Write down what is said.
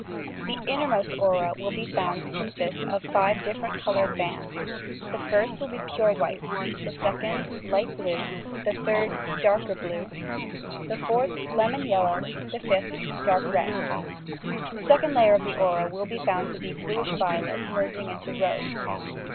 The innermost aura will be found to consist of five different coloured bands. The first will be pure white, the second light blue, the third darker blue, the fourth lemon yellow, the fifth dark red. The second layer of the aura will be found to be bluish violet, merging into rose.